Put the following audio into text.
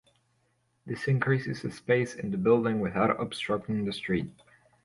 This increases the space in the building without obstructing the street.